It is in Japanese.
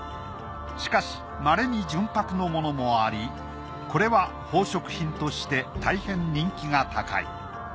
しかしまれに純白のものもありこれは宝飾品としてたいへん人気が高い。